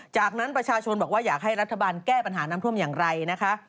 จากนั้นประชาชนบอกว่าอยากให้รัฐบาลแก้ปัญหาน้ำท่วมอย่างไรนะคะ